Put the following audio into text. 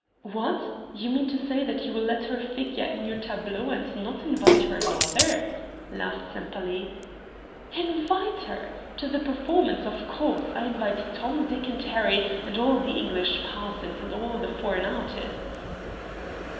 "What, you mean to say that you will let her figure in your tableau and not invite her mother?" laughed Sempaly. "Invite her! to the performance of course. I invite Tom, Dick, and Harry, and all the English parsons and all the foreign artists."